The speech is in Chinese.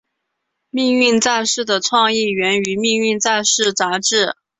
命运战士的创意源于命运战士杂志。